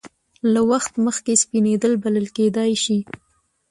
له وخت مخکې سپینېدل بلل کېدای شي.